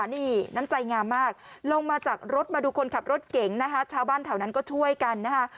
นี่น้ำใจงามมากลงมาจากรถมาดูคนขับรถเก๋งนะคะชาวบ้านแถวนั้นก็ช่วยกันนะคะ